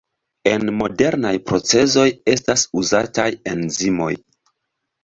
En modernaj procezoj estas uzataj enzimoj.